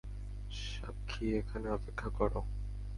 সাক্ষী, এখানে অপেক্ষা কর।